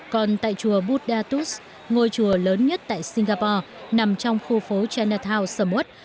còn tại chùa budatus ngôi chùa lớn nhất tại singapore nằm trong khu phố chinatown samut